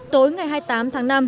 tối ngày hai mươi tám tháng năm